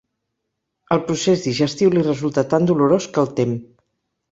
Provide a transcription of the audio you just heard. El procés digestiu li resulta tan dolorós que el tem.